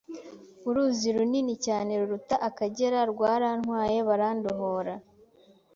Uruzi runini cyane ruruta Akagera rwarantwaye bandohora